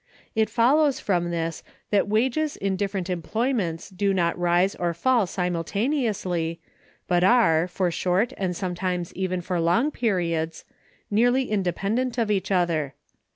It follows from this that wages in different employments do not rise or fall simultaneously, but are, for short and sometimes even for long periods, nearly independent of one another.